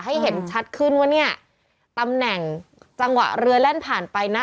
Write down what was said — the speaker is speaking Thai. เห็นชัดขึ้นว่าเนี่ยตำแหน่งจังหวะเรือแล่นผ่านไปนะ